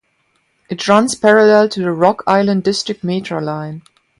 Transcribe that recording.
It runs parallel to the Rock Island District Metra line.